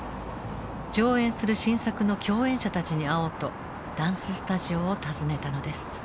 上演する新作の共演者たちに会おうとダンススタジオを訪ねたのです。